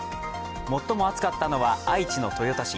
最も暑かったのは愛知の豊田市。